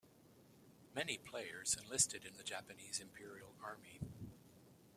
Many players enlisted in the Japanese Imperial Army.